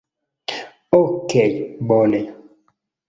Okej' bone